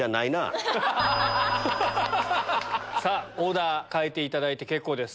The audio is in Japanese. オーダー変えていただいて結構です。